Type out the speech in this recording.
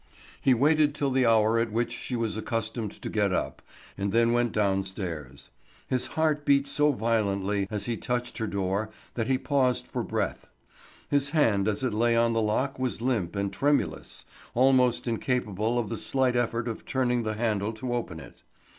He waited till the hour at which she was accustomed to get up, and then went downstairs. His heart beat so violently as he touched her door that he paused for breath. His hand as it lay on the lock was limp and tremulous, almost incapable of the slight effort of turning the handle to open it.